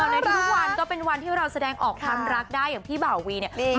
ในทุกวันก็เป็นวันที่เราแสดงออกความรักได้อย่างพี่บ่าวีเนี่ย